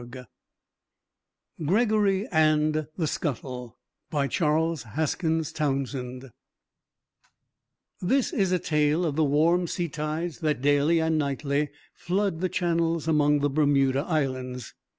GREGORY AND THE SCUTTLE BY CHARLES HASKINS TOWNSEND THIS is a tale of the warm sea tides that daily and nightly flood the channels among the Bermuda Islands.